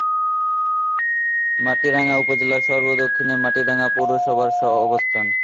মাটিরাঙ্গা উপজেলার সর্ব-দক্ষিণে মাটিরাঙ্গা পৌরসভার অবস্থান।